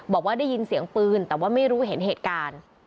บอกว่าได้ยินเสียงปืนแต่ว่าไม่รู้เห็นเหตุการณ์